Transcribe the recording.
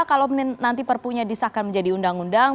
kalau nanti perpunya disahkan menjadi undang undang